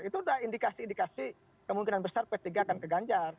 itu sudah indikasi indikasi kemungkinan besar p tiga akan keganjar